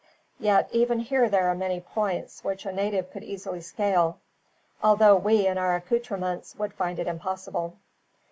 Yet even here there are many points which a native could easily scale; although we, in our accoutrements, would find it impossible."